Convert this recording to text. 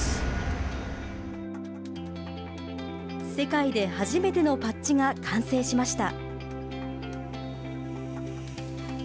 世界で初めてのパッチが完成しました。